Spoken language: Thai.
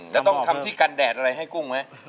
ต้องทำที่กันแดดอะไรให้กุ้งไหม